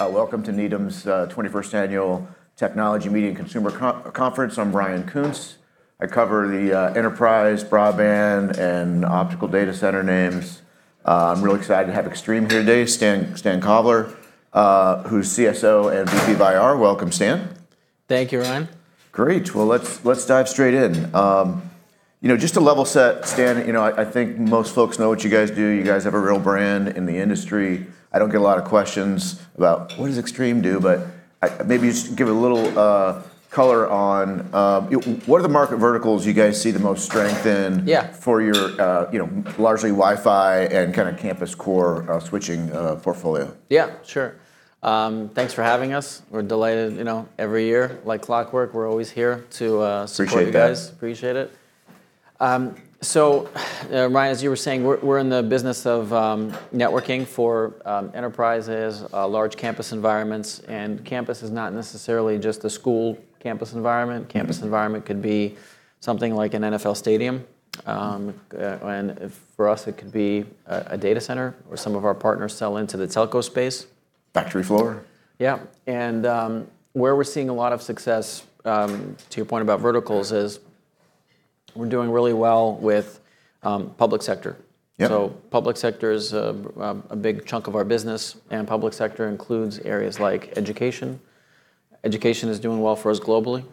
Welcome to Needham's 21st Annual Technology Media and Consumer Conference. I'm Ryan Koontz. I cover the enterprise broadband and optical data center names. I'm real excited to have Extreme here today. Stan Kovler, who's CSO and VP of IR. Welcome, Stan. Thank you, Ryan. Great. Let's dive straight in. Just to level-set, Stan, I think most folks know what you guys do. You guys have a real brand in the industry. I don't get a lot of questions about what does Extreme do, but maybe just give a little color on what are the market verticals you guys see the most strength in- Yeah for your largely Wi-Fi and kind of campus core switching portfolio? Yeah, sure. Thanks for having us. We're delighted, every year. Like clockwork, we're always here. Appreciate that. support you guys. Appreciate it. Ryan, as you were saying, we're in the business of networking for enterprises, large campus environments, and campus is not necessarily just a school campus environment. Campus environment could be something like an NFL stadium. For us, it could be a data center where some of our partners sell into the telco space. Factory floor. Yeah. Where we're seeing a lot of success, to your point about verticals is we're doing really well with public sector. Yeah. Public sector is a big chunk of our business, and public sector includes areas like education. Education is doing well for us globally.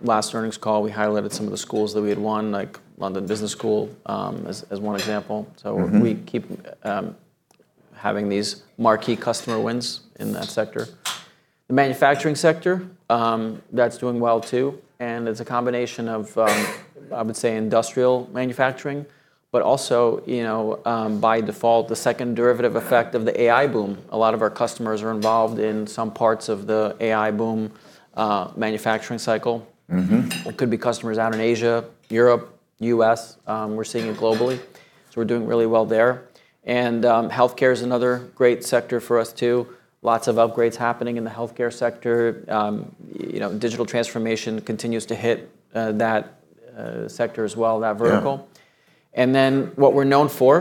Last earnings call, we highlighted some of the schools that we had won, like London Business School as one example. We keep having these marquee customer wins in that sector. The manufacturing sector, that's doing well, too, and it's a combination of, I would say, industrial manufacturing, but also, by default, the second derivative effect of the AI boom. A lot of our customers are involved in some parts of the AI boom manufacturing cycle. It could be customers out in Asia, Europe, U.S. We're seeing it globally. We're doing really well there. Healthcare is another great sector for us, too. Lots of upgrades happening in the healthcare sector. Digital transformation continues to hit that sector as well, that vertical. Yeah. What we're known for,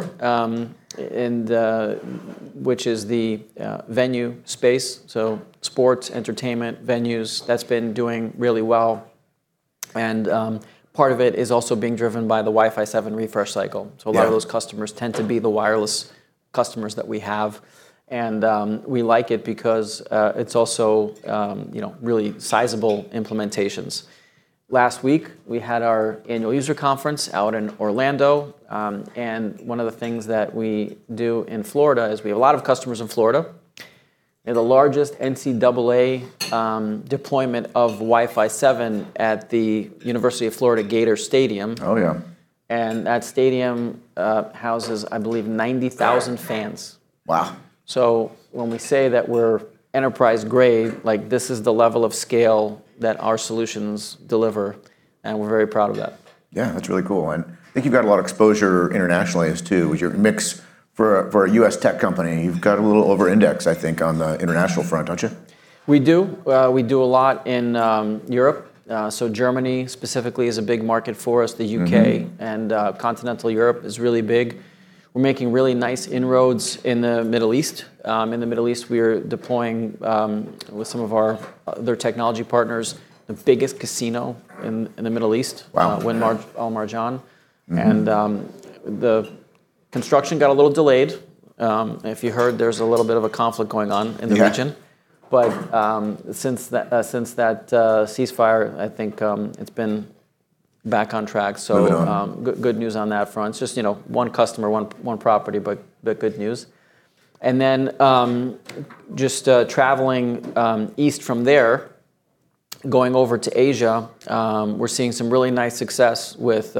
which is the venue space, so sports, entertainment venues, that's been doing really well. Part of it is also being driven by the Wi-Fi 7 refresh cycle. Yeah. A lot of those customers tend to be the wireless customers that we have. We like it because it's also really sizable implementations. Last week, we had our annual user conference out in Orlando. One of the things that we do in Florida is we have a lot of customers in Florida. They're the largest NCAA deployment of Wi-Fi 7 at the University of Florida Gator stadium. Oh, yeah. That stadium houses, I believe, 90,000 fans. Wow. When we say that we're enterprise grade, this is the level of scale that our solutions deliver, and we're very proud of that. Yeah. That's really cool. I think you've got a lot of exposure internationally too, with your mix. For a U.S. tech company, you've got a little over-index, I think, on the international front, don't you? We do. We do a lot in Europe. Germany specifically is a big market for us. The U.K. Continental Europe is really big. We're making really nice inroads in the Middle East. In the Middle East, we're deploying with some of our other technology partners, the biggest casino in the Middle East. Wow. Wynn Al Marjan. The construction got a little delayed. If you heard, there's a little bit of a conflict going on in the region. Yeah. Since that ceasefire, I think it's been back on track. Good. Good news on that front. Just one customer, one property, but good news. Just traveling east from there, going over to Asia, we're seeing some really nice success with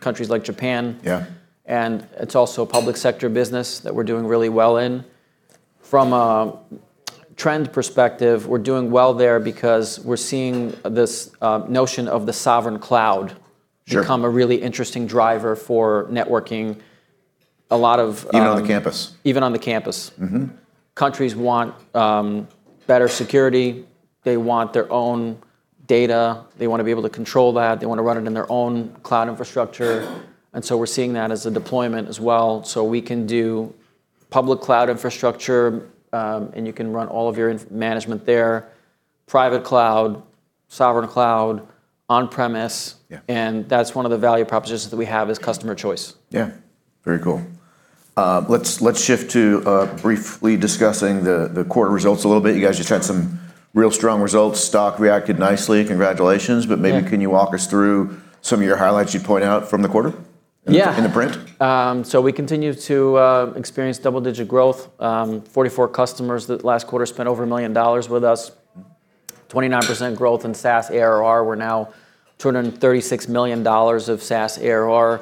countries like Japan. Yeah. It's also a public sector business that we're doing really well in. From a trend perspective, we're doing well there because we're seeing this notion of the sovereign cloud- Sure become a really interesting driver for networking. Even on the campus. Even on the campus. Countries want better security. They want their own data. They want to be able to control that. They want to run it in their own cloud infrastructure. We're seeing that as a deployment as well. We can do public cloud infrastructure, and you can run all of your management there, private cloud, sovereign cloud, on premise. Yeah. That's one of the value propositions that we have is customer choice. Yeah. Very cool. Let's shift to briefly discussing the quarter results a little bit. You guys just had some real strong results. Stock reacted nicely. Congratulations. Yeah. Maybe can you walk us through some of your highlights you'd point out from the quarter? Yeah. In the print? We continue to experience double-digit growth. 44 customers that last quarter spent over $1 million with us. 29% growth in SaaS ARR. We're now $236 million of SaaS ARR.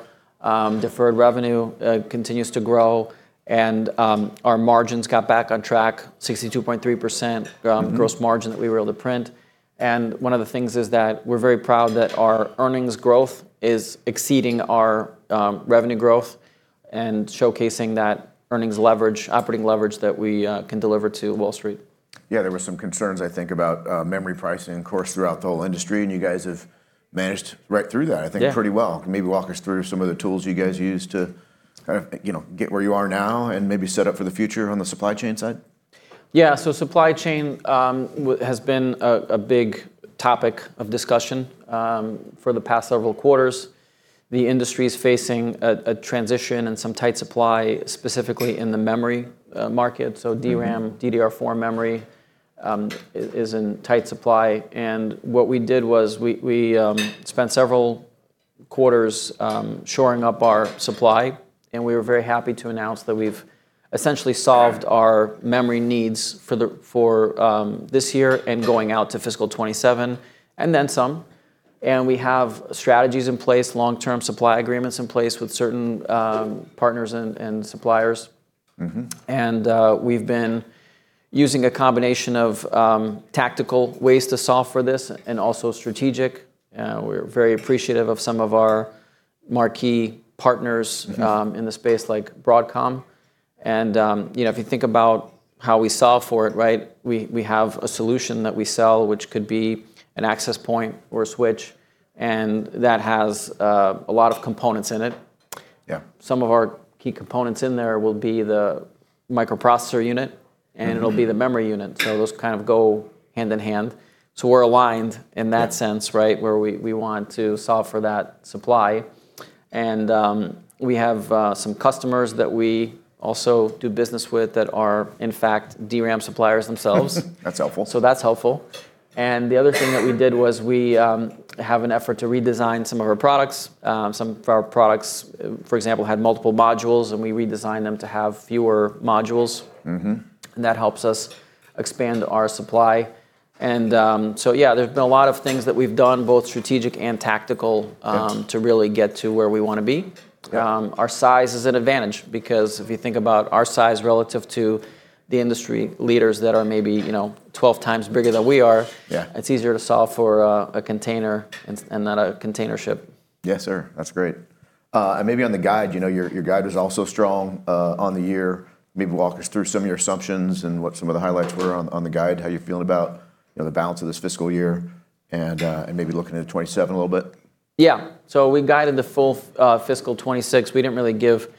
Deferred revenue continues to grow, and our margins got back on track. 62.3% gross margin. that we were able to print. One of the things is that we're very proud that our earnings growth is exceeding our revenue growth and showcasing that earnings leverage, operating leverage that we can deliver to Wall Street. There were some concerns, I think, about memory pricing, of course, throughout the whole industry. You guys have managed right through that, I think. Yeah Pretty well. Maybe walk us through some of the tools you guys use to get where you are now, and maybe set up for the future on the supply chain side. Supply chain has been a big topic of discussion for the past several quarters. The industry is facing a transition and some tight supply, specifically in the memory market. DRAM, DDR4 memory is in tight supply. What we did was we spent several quarters shoring up our supply, and we are very happy to announce that we've essentially solved our memory needs for this year and going out to fiscal 2027, and then some. We have strategies in place, long-term supply agreements in place with certain partners and suppliers. We've been using a combination of tactical ways to solve for this, and also strategic. We are very appreciative of some of our marquee partners. in the space, like Broadcom. If you think about how we solve for it, we have a solution that we sell, which could be an access point or a switch, and that has a lot of components in it. Yeah. Some of our key components in there will be the microprocessor unit. It'll be the memory unit. Those kind of go hand-in-hand. We're aligned in that sense. Yeah Where we want to solve for that supply. We have some customers that we also do business with that are, in fact, DRAM suppliers themselves. That's helpful. That's helpful. The other thing that we did was we have an effort to redesign some of our products. Some of our products, for example, had multiple modules, and we redesigned them to have fewer modules. That helps us expand our supply. Yeah, there's been a lot of things that we've done, both strategic and tactical- Good to really get to where we want to be. Yeah. Our size is an advantage because if you think about our size relative to the industry leaders that are maybe 12 times bigger than we are- Yeah it's easier to solve for a container and not a container ship. Yes, sir. That's great. Maybe on the guide, your guide was also strong on the year. Maybe walk us through some of your assumptions and what some of the highlights were on the guide, how you're feeling about the balance of this fiscal year, and maybe looking into 2027 a little bit. Yeah. We guided the full fiscal 2026. We didn't really give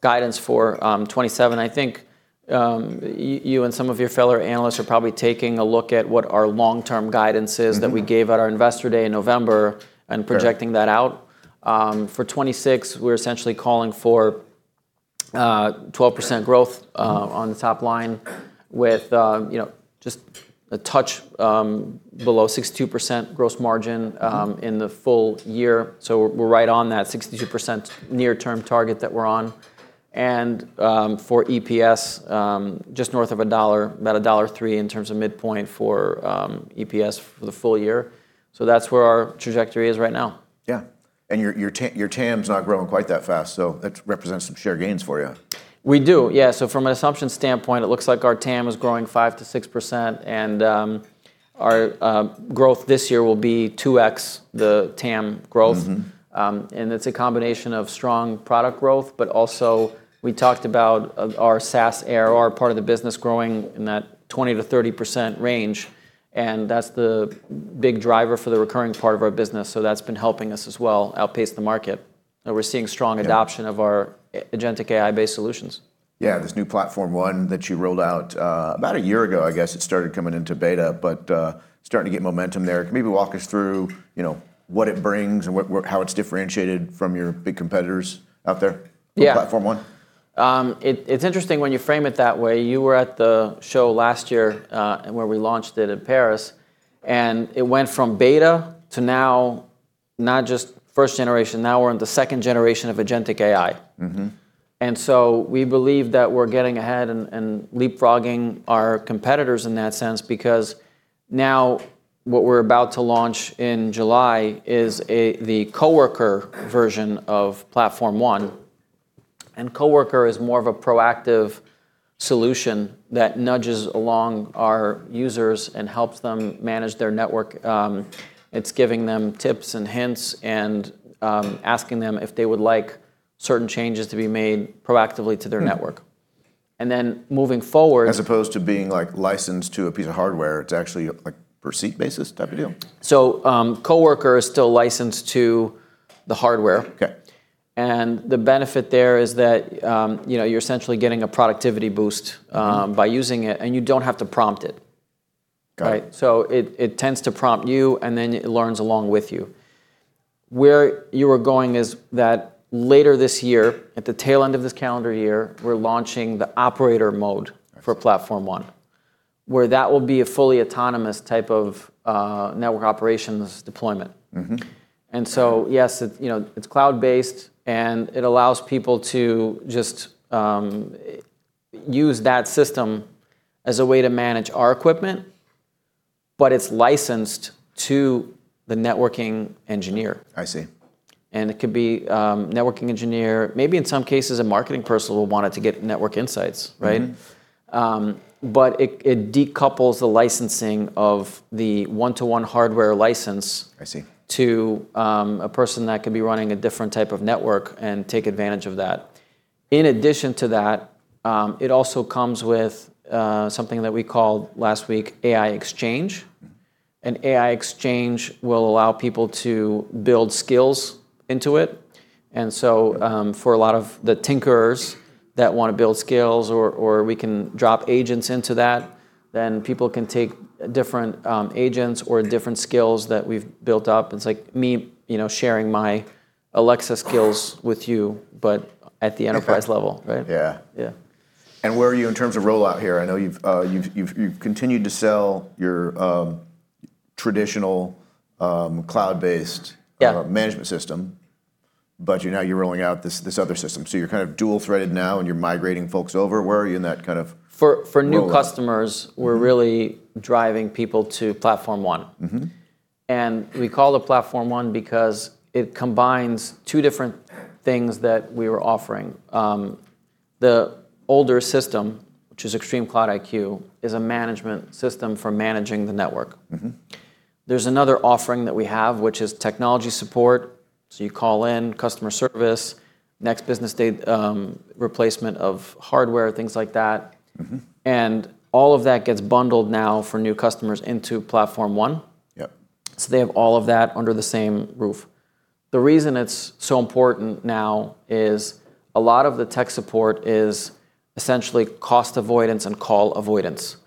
guidance for 2027. I think you and some of your fellow analysts are probably taking a look at what our long-term guidance is. That we gave at our investor day in November and projecting that out. For 2026, we're essentially calling for 12% growth on the top line with just a touch below 62% gross margin in the full year. We're right on that 62% near term target that we're on. For EPS, just north of $1, about $1.03 in terms of midpoint for EPS for the full year. That's where our trajectory is right now. Yeah. Your TAM's not growing quite that fast, that represents some share gains for you. We do. From an assumption standpoint, it looks like our TAM is growing 5%-6%, and our growth this year will be 2x the TAM growth. It's a combination of strong product growth, but also we talked about our SaaS ARR part of the business growing in that 20%-30% range, and that's the big driver for the recurring part of our business. That's been helping us as well outpace the market. We're seeing strong adoption. Yeah Of our agentic AI-based solutions. This new Platform ONE that you rolled out about one year ago, I guess, it started coming into beta. Starting to get momentum there. Can you maybe walk us through what it brings and how it's differentiated from your big competitors out there? Yeah with Platform One? It's interesting when you frame it that way. You were at the show last year, where we launched it in Paris, and it went from beta to now not just first generation, now we're in the second generation of agentic AI. We believe that we're getting ahead and leapfrogging our competitors in that sense because now what we're about to launch in July is the Coworker version of Platform One, and Coworker is more of a proactive solution that nudges along our users and helps them manage their network. It's giving them tips and hints and asking them if they would like certain changes to be made proactively to their network. Moving forward. As opposed to being licensed to a piece of hardware, it's actually per seat basis type of deal? Coworker is still licensed to the hardware. Okay. The benefit there is that you're essentially getting a productivity boost by using it, and you don't have to prompt it. Got it. It tends to prompt you, and then it learns along with you. Where you were going is that later this year, at the tail end of this calendar year, we're launching the operator mode. I see for Platform ONE, where that will be a fully autonomous type of network operations deployment. Yes, it's cloud-based, and it allows people to just use that system as a way to manage our equipment, but it's licensed to the networking engineer. I see. It could be networking engineer, maybe in some cases, a marketing person will want it to get network insights, right? It decouples the licensing of the one-to-one hardware license- I see to a person that could be running a different type of network and take advantage of that. In addition to that, it also comes with something that we called last week Extreme Exchange. Extreme Exchange will allow people to build skills into it. For a lot of the tinkerers that want to build skills or we can drop agents into that, then people can take different agents or different skills that we've built up. It's like me sharing my Alexa skills with you, but at the enterprise level, right? Yeah. Yeah. Where are you in terms of rollout here? I know you've continued to sell your traditional cloud-based- Yeah management system, now you're rolling out this other system. You're kind of dual-threaded now, and you're migrating folks over. Where are you in that kind of rollout? For new customers- we're really driving people to Extreme Platform ONE. We call it Platform One because it combines two different things that we were offering. The older system, which is ExtremeCloud IQ, is a management system for managing the network. There's another offering that we have, which is technology support. You call in customer service, next business day replacement of hardware, things like that. All of that gets bundled now for new customers into Platform One. Yep. They have all of that under the same roof. The reason it's so important now is a lot of the tech support is essentially cost avoidance and call avoidance.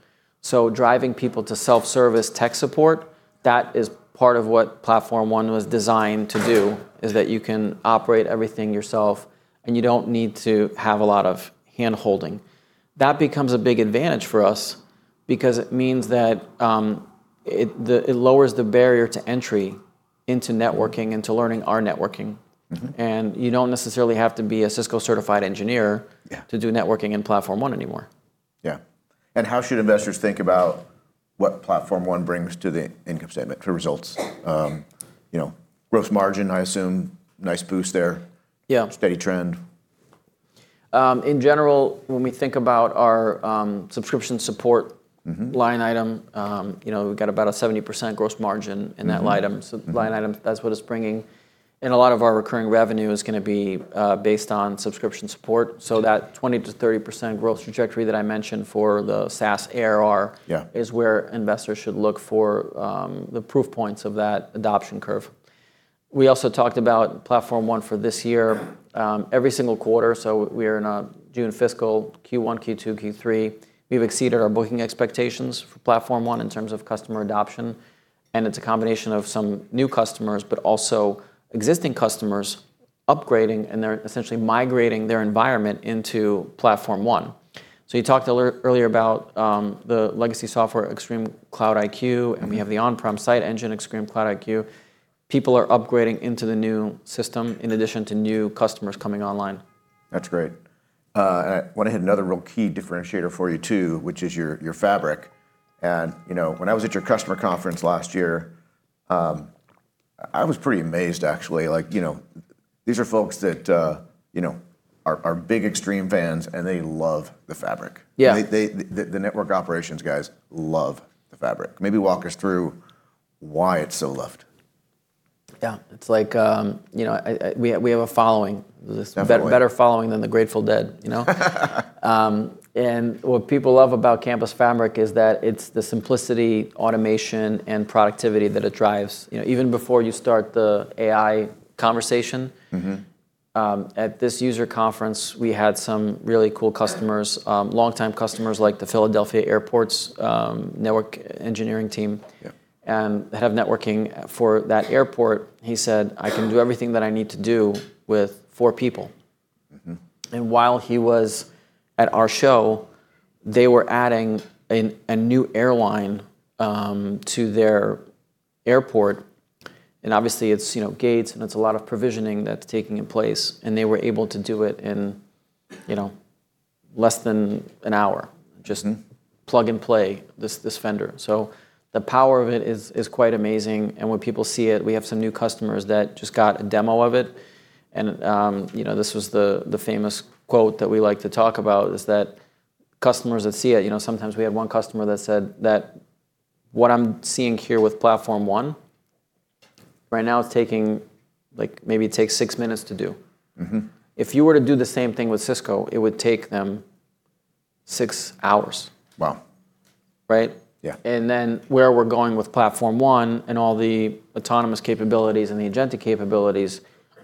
Driving people to self-service tech support, that is part of what Platform One was designed to do, is that you can operate everything yourself, and you don't need to have a lot of hand-holding. That becomes a big advantage for us because it means that it lowers the barrier to entry into networking and to learning our networking. You don't necessarily have to be a Cisco-certified engineer- Yeah to do networking in Platform One anymore. Yeah. How should investors think about what Platform One brings to the income statement, to results? Gross margin, I assume. Nice boost there. Yeah. Steady trend. In general, when we think about our subscription support. line item, we've got about a 70% gross margin in that line item. line item, that's what it's bringing. A lot of our recurring revenue is going to be based on subscription support. That 20%-30% growth trajectory that I mentioned for the SaaS ARR. Yeah is where investors should look for the proof points of that adoption curve. We also talked about Platform ONE for this year, every single quarter. We are in a June fiscal Q1, Q2, Q3. We've exceeded our booking expectations for Platform ONE in terms of customer adoption. It's a combination of some new customers, but also existing customers upgrading. They're essentially migrating their environment into Platform ONE. You talked earlier about the legacy software, ExtremeCloud IQ. We have the on-prem ExtremeCloud IQ Site Engine. People are upgrading into the new system in addition to new customers coming online. That's great. I want to hit another real key differentiator for you, too, which is your Fabric. When I was at your customer conference last year, I was pretty amazed, actually. These are folks that are big Extreme fans, and they love the Fabric. Yeah. The network operations guys love the Fabric. Maybe walk us through why it's so loved. Yeah. It's like we have a following. Definitely. Better following than the Grateful Dead. What people love about Campus Fabric is that it's the simplicity, automation, and productivity that it drives. Even before you start the AI conversation. At this user conference, we had some really cool customers, long-time customers like the Philadelphia Airport's network engineering team. Yeah The head of networking for that airport. He said, "I can do everything that I need to do with four people. While he was at our show, they were adding a new airline to their airport, and obviously it's gates, and it's a lot of provisioning that's taking place. They were able to do it in less than an hour. Just plug and play this vendor. The power of it is quite amazing. When people see it, we have some new customers that just got a demo of it, and this was the famous quote that we like to talk about, is that customers that see it, sometimes we have one customer that said that "What I'm seeing here with Platform ONE, right now it's taking maybe six minutes to do. If you were to do the same thing with Cisco, it would take them six hours. Wow. Right? Yeah. Where we're going with Platform ONE and all the autonomous capabilities and the agentic capabilities,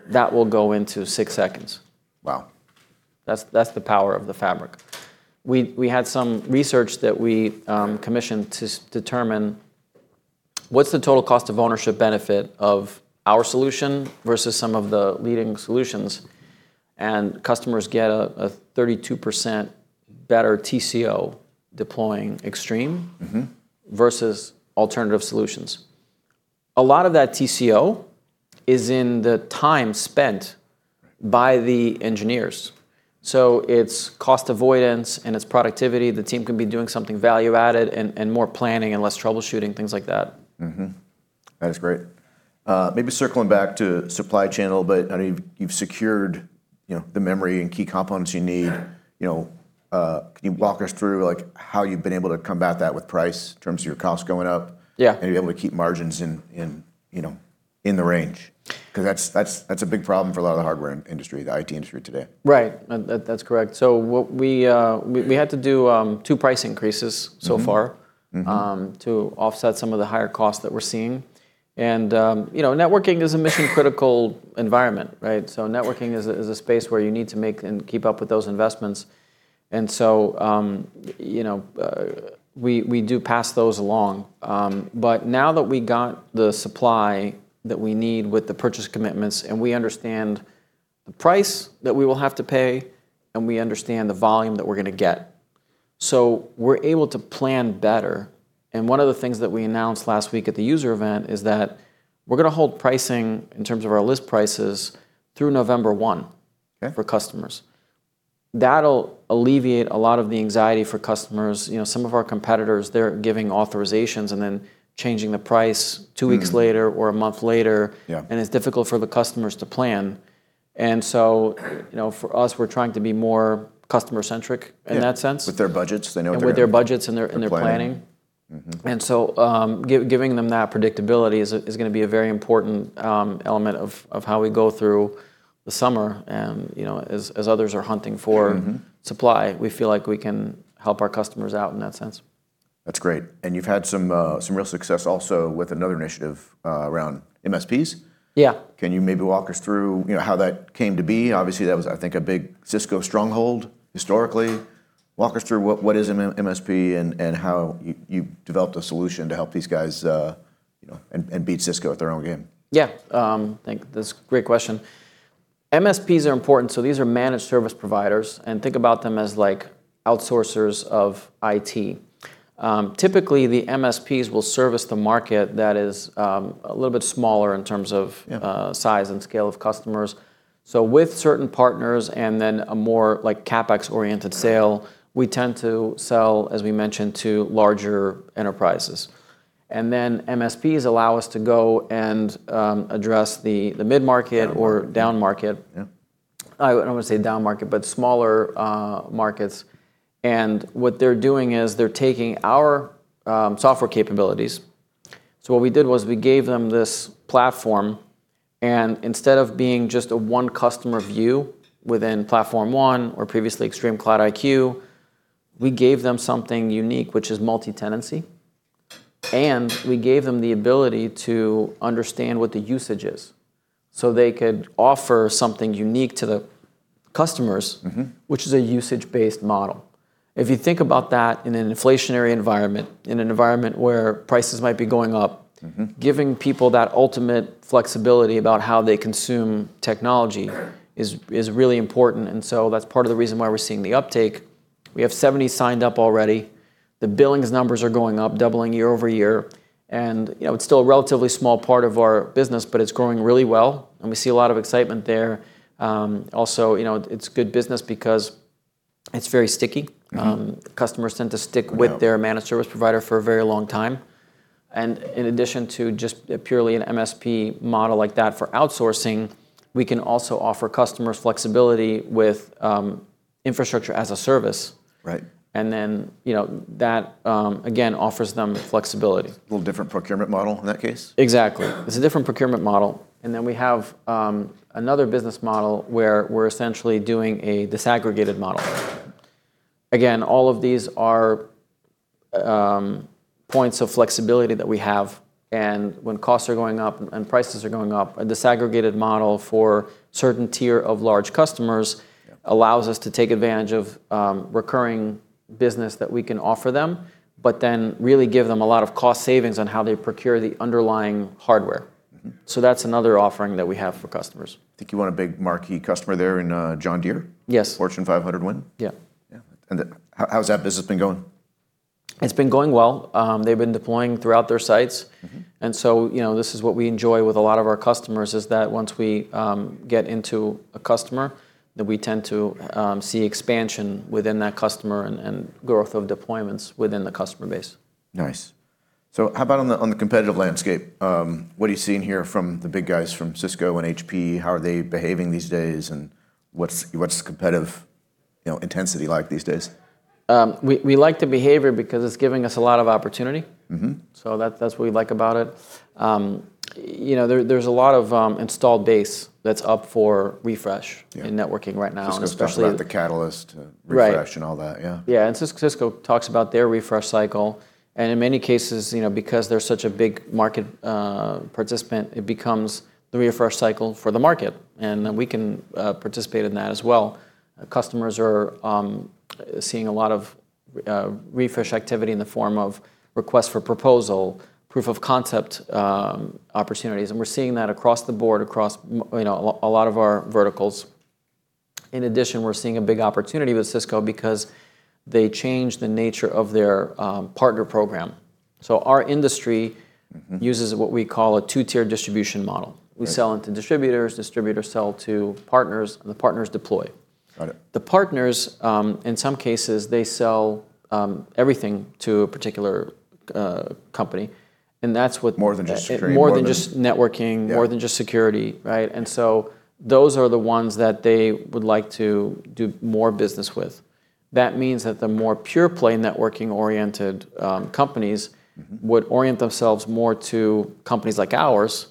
that will go into six seconds. Wow. That's the power of the Fabric. We had some research that we commissioned to determine what's the total cost of ownership benefit of our solution versus some of the leading solutions, and customers get a 32% better TCO deploying Extreme- versus alternative solutions. A lot of that TCO is in the time spent by the engineers. It's cost avoidance and it's productivity. The team can be doing something value added and more planning and less troubleshooting, things like that. Mm-hmm. That is great. Maybe circling back to supply channel, you've secured the memory and key components you need. Yeah. Can you walk us through how you've been able to combat that with price in terms of your cost going up? Yeah. You're able to keep margins in the range. That's a big problem for a lot of the hardware industry, the IT industry today. Right. That's correct. We had to do two price increases so far- to offset some of the higher costs that we're seeing. Networking is a mission critical environment, right? Networking is a space where you need to make and keep up with those investments. We do pass those along. Now that we got the supply that we need with the purchase commitments, and we understand the price that we will have to pay, and we understand the volume that we're going to get, so we're able to plan better. One of the things that we announced last week at the user event is that we're going to hold pricing in terms of our list prices through November 1- Okay for customers. That'll alleviate a lot of the anxiety for customers. Some of our competitors, they're giving authorizations and then changing the price two weeks later or a month later. Yeah. It's difficult for the customers to plan. For us, we're trying to be more customer centric in that sense. Yeah. With their budgets, they know what. With their budgets and their planning for planning. Mm-hmm. Giving them that predictability is going to be a very important element of how we go through the summer. As others are hunting for- supply, we feel like we can help our customers out in that sense. That's great. You've had some real success also with another initiative around MSPs. Yeah. Can you maybe walk us through how that came to be? Obviously, that was, I think, a big Cisco stronghold historically. Walk us through what is an MSP and how you developed a solution to help these guys and beat Cisco at their own game. Yeah. Great question. MSPs are important. These are managed service providers, and think about them as outsourcers of IT. Typically, the MSPs will service the market that is a little bit smaller in terms of- Yeah size and scale of customers. With certain partners and then a more CapEx oriented sale- Right we tend to sell, as we mentioned, to larger enterprises. MSPs allow us to go and address the mid-market- Down market or down market. Yeah. I don't want to say down market, but smaller markets. What they're doing is they're taking our software capabilities. What we did was we gave them this platform, and instead of being just a one customer view within Platform ONE, or previously ExtremeCloud IQ, we gave them something unique, which is multi-tenancy. We gave them the ability to understand what the usage is so they could offer something unique to the customers- which is a usage-based model. If you think about that in an inflationary environment, in an environment where prices might be going up- giving people that ultimate flexibility about how they consume technology is really important. That's part of the reason why we're seeing the uptake. We have 70 signed up already. The billings numbers are going up, doubling year-over-year. It's still a relatively small part of our business, but it's growing really well, and we see a lot of excitement there. Also, it's good business because it's very sticky. Customers tend to stick with- Yeah their managed service provider for a very long time. In addition to just purely an MSP model like that for outsourcing, we can also offer customers flexibility with Infrastructure as a Service. Right. That again offers them flexibility. Little different procurement model in that case? Exactly. It's a different procurement model. We have another business model where we're essentially doing a disaggregated model. All of these are points of flexibility that we have. Costs are going up and prices are going up, a disaggregated model for certain tier of large customers. Yeah allows us to take advantage of recurring business that we can offer them, but then really give them a lot of cost savings on how they procure the underlying hardware. That's another offering that we have for customers. Think you won a big marquee customer there in John Deere? Yes. Fortune 500 win? Yeah. Yeah. How's that business been going? It's been going well. They've been deploying throughout their sites. This is what we enjoy with a lot of our customers, is that once we get into a customer, that we tend to see expansion within that customer and growth of deployments within the customer base. Nice. How about on the competitive landscape? What are you seeing here from the big guys from Cisco and HP? How are they behaving these days, and what's the competitive intensity like these days? We like the behavior because it's giving us a lot of opportunity. That's what we like about it. There's a lot of installed base that's up for refresh- Yeah in networking right now, especially- Cisco's talking about the Catalyst refresh- Right and all that, yeah. Yeah. Cisco talks about their refresh cycle, and in many cases, because they're such a big market participant, it becomes the refresh cycle for the market. We can participate in that as well. Customers are seeing a lot of refresh activity in the form of request for proposal, proof of concept opportunities, and we're seeing that across the board, across a lot of our verticals. In addition, we're seeing a big opportunity with Cisco because they changed the nature of their partner program. Our industry- uses what we call a two-tier distribution model. Okay. We sell into distributors sell to partners, and the partners deploy. Got it. The partners, in some cases, they sell everything to a particular company. More than just security. More than just networking. Yeah More than just security, right? Those are the ones that they would like to do more business with. That means that the more pure-play networking-oriented companies would orient themselves more to companies like ours.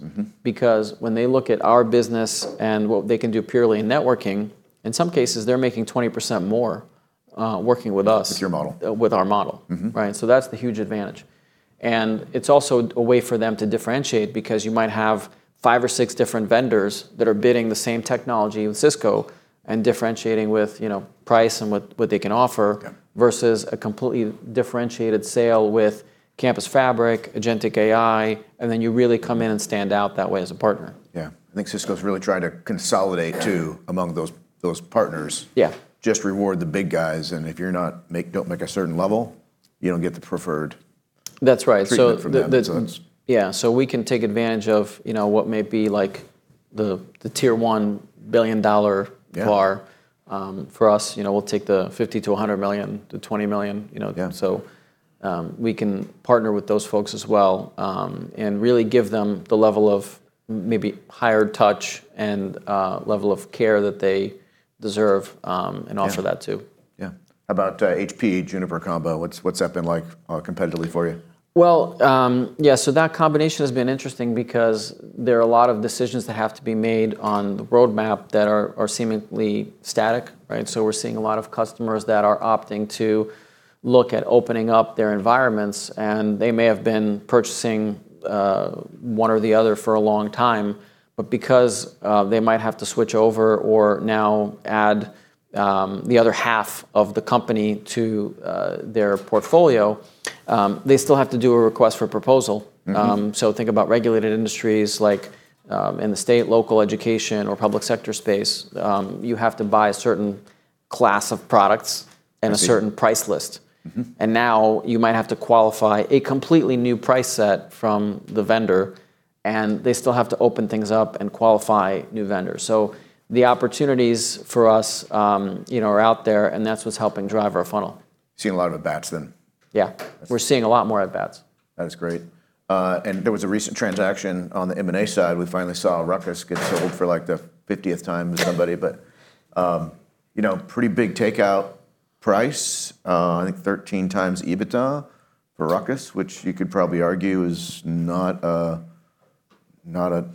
When they look at our business and what they can do purely in networking, in some cases, they're making 20% more working with us. With your model. With our model. Right? That's the huge advantage. It's also a way for them to differentiate because you might have five or six different vendors that are bidding the same technology with Cisco and differentiating with price and what they can offer. Yeah versus a completely differentiated sale with Campus Fabric, agentic AI, and you really come in and stand out that way as a partner. Yeah. I think Cisco's really trying to consolidate, too. Yeah among those partners. Yeah. Just reward the big guys, and if you don't make a certain level, you don't get the preferred- That's right treatment from them. it's- Yeah. We can take advantage of what may be the tier 1 billion-dollar. Yeah for us. We'll take the $50 million to $100 million to $20 million. Yeah. We can partner with those folks as well, and really give them the level of maybe higher touch and level of care that they deserve. Yeah Offer that, too. Yeah. How about HP, Juniper combo? What's that been like competitively for you? That combination has been interesting because there are a lot of decisions that have to be made on the roadmap that are seemingly static, right? We're seeing a lot of customers that are opting to look at opening up their environments, and they may have been purchasing one or the other for a long time, because they might have to switch over or now add the other half of the company to their portfolio, they still have to do a request for proposal. Think about regulated industries like in the state, local education, or public sector space. You have to buy a certain class of products. I see A certain price list. Now you might have to qualify a completely new price set from the vendor, and they still have to open things up and qualify new vendors. The opportunities for us are out there, and that's what's helping drive our funnel. Seeing a lot of at-bats then. Yeah. We're seeing a lot more at-bats. That is great. There was a recent transaction on the M&A side. We finally saw Ruckus get sold for like the 50th time to somebody. Pretty big takeout price. I think 13 times EBITDA for Ruckus, which you could probably argue is not a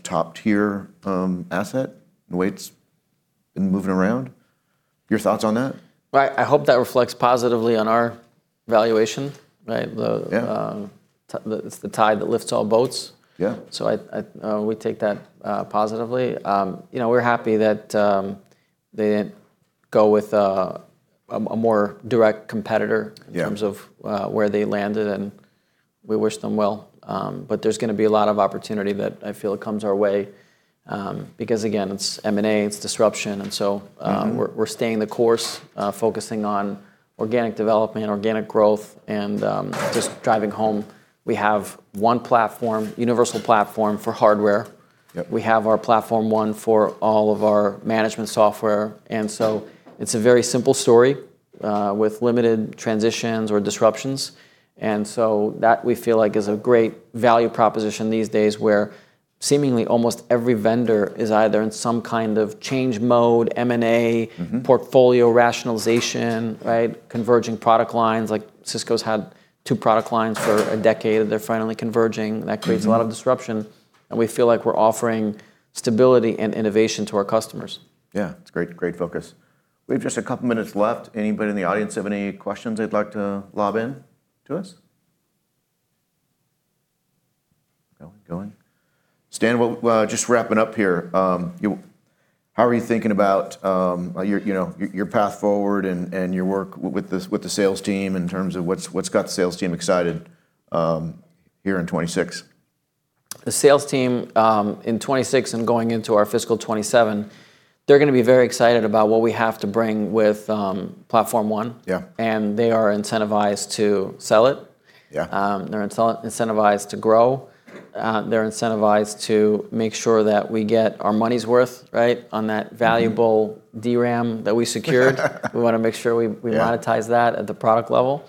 top-tier asset the way it's been moving around. Your thoughts on that? I hope that reflects positively on our valuation, right? Yeah It's the tide that lifts all boats. Yeah. We take that positively. We're happy that they didn't go with a more direct competitor. Yeah in terms of where they landed, and we wish them well. There's going to be a lot of opportunity that I feel comes our way, because again, it's M&A, it's disruption. We're staying the course, focusing on organic development, organic growth, and just driving home. We have one platform, universal platform for hardware. Yep. We have our Platform ONE for all of our management software. It's a very simple story with limited transitions or disruptions. That we feel like is a great value proposition these days where seemingly almost every vendor is either in some kind of change mode, M&A. portfolio rationalization, right, converging product lines. Like Cisco's had two product lines for a decade. They're finally converging. That creates a lot of disruption, and we feel like we're offering stability and innovation to our customers. Yeah. It's a great focus. We have just a couple of minutes left. Anybody in the audience have any questions they'd like to lob in to us? Going? Stan, we're just wrapping up here. How are you thinking about your path forward and your work with the sales team in terms of what's got the sales team excited here in 2026? The sales team, in 2026 and going into our fiscal 2027, they're going to be very excited about what we have to bring with Platform ONE. Yeah. They are incentivized to sell it. Yeah. They're incentivized to grow. They're incentivized to make sure that we get our money's worth, right, on that valuable DRAM that we secured. We want to make sure we monetize. Yeah that at the product level.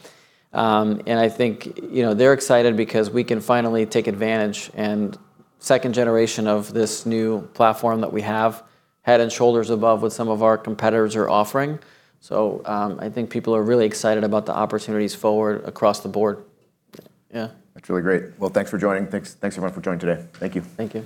I think they're excited because we can finally take advantage, and second generation of this new platform that we have, head and shoulders above what some of our competitors are offering. I think people are really excited about the opportunities forward across the board. Yeah. That's really great. Well, thanks for joining. Thanks everyone for joining today. Thank you. Thank you.